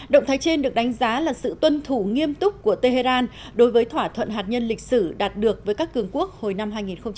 động thái trên được đánh giá là sự tuân thủ nghiêm túc của tehran đối với thỏa thuận hạt nhân lịch sử đạt được với các cường quốc hồi năm hai nghìn một mươi năm